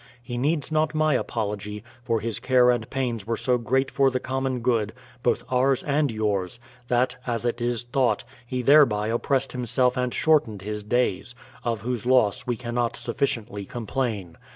He needs not my apology; for his care and pains were so great for the common good, both ours and yours, thaf, as it is thought, he thereby oppressed himself and shortened his days ; of whose loss we cannot sufficiently complain.